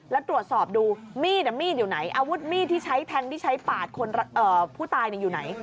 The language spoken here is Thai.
แล้วตรวจสอบดูมีดอาวุธมีดที่ใช้แทงที่ใช้ปาดผู้ตายอยู่ไหน